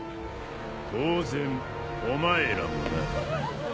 当然お前らもな。